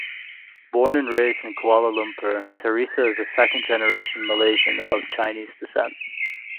Born and raised in Kuala Lumpur, Teresa is a second-generation Malaysian of Chinese descent.